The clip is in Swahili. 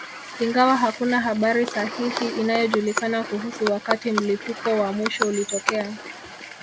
Ingawa hakuna habari sahihi inayojulikana kuhusu wakati mlipuko wa mwisho ulitokea